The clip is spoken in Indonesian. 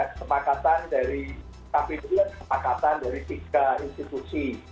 kesepakatan dari tapi itu adalah kesepakatan dari tiga institusi